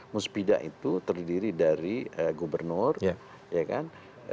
musbidah itu terdiri dari gubernur ya kan